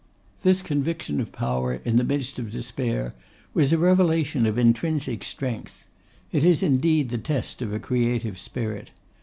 This conviction of power in the midst of despair was a revelation of intrinsic strength. It is indeed the test of a creative spirit.